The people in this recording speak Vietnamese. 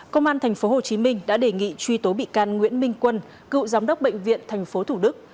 công an tp hcm đã đề nghị truy tố bị can nguyễn minh quân cựu giám đốc bệnh viện tp thủ đức